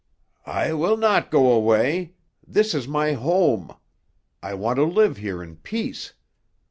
"I will not go away. This is my home. I want to live here in peace.